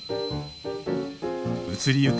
移りゆく